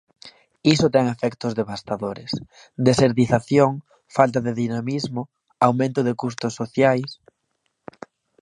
Iso ten efectos devastadores: desertización, falta de dinamismo, aumento de custos sociais.